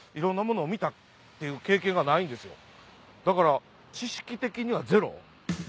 だから知識的にはゼロ。